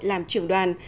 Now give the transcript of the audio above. làm trưởng đoàn